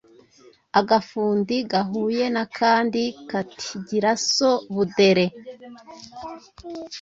Agafundi gahuye n’akandi kati “ gira so Budere